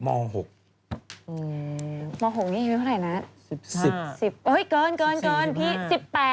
ม๖นี่ยังไม่เท่าไหร่นะ